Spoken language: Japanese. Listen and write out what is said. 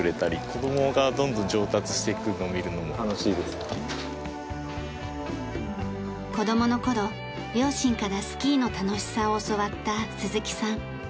子どもがどんどん子どもの頃両親からスキーの楽しさを教わった鈴木さん。